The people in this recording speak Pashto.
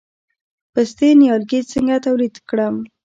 د پستې نیالګي څنګه تولید کړم؟